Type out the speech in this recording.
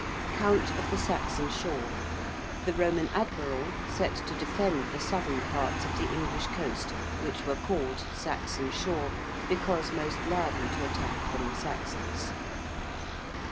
~Count of the Saxon Shore~: the Roman admiral set to defend the southern parts of the English coast, which were called 'Saxon Shore,' because most liable to attack from the Saxons.